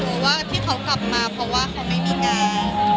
รู้ว่าที่เขากลับมาเพราะว่าเขาไม่มีงาน